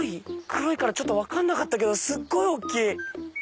黒いからちょっと分かんなかったけどすっごい大っきい。